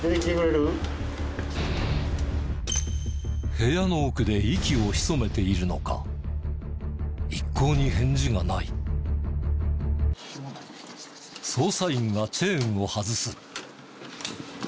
部屋の奥で息を潜めているのか一向に捜査員がチェーンを外す。